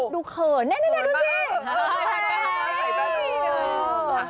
ดูเขินแน่ดูสิ